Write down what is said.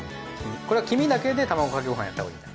これは黄身だけで卵かけごはんやったほうがいいんだ？